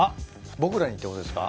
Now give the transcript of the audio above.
僕らにってことですか？